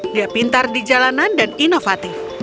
dia pintar di jalanan dan inovatif